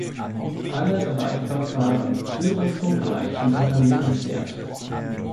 Alle drei Verfahren führen zum gleichen Unternehmenswert.